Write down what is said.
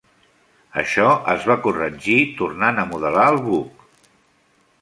Això es va corregir tornant a modelar el buc.